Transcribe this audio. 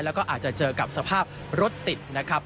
แล้วก็อาจจะเจอกับสภาพรถติดนะครับ